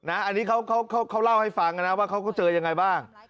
อันนี้เขาเล่าให้ฟังนะว่าเขาก็เจอยังไงบ้าง